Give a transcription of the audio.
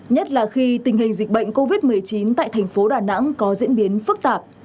nhất là khi tình hình dịch bệnh covid một mươi chín tại thành phố đà nẵng có diễn biến phức tạp